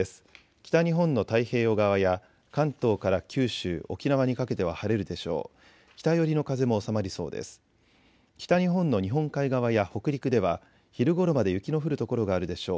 北日本の太平洋側や関東から九州、沖縄にかけては晴れるでしょう。